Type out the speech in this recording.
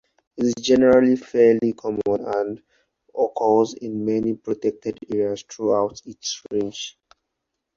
It is generally fairly common and occurs in many protected areas throughout its range.